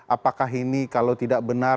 apakah ini kalau tidak benar